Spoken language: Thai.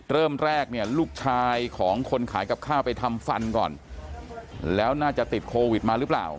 เริ่มแรกเนี่ยลูกชายของคนขายกับข้าวไปทำฟันก่อนแล้วน่าจะติดโควิดมาหรือเปล่า